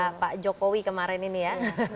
karena pak jokowi kemarin ini ya